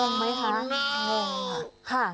เงินไหมคะเงินค่ะ